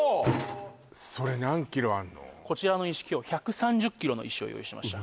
それこちらの石今日１３０ｋｇの石を用意しました